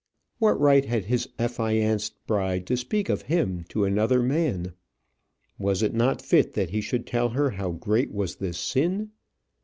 What right had his affianced bride to speak of him to another man? Was it not fit that he should tell her how great was this sin?